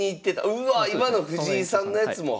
うわ今の藤井さんのやつも！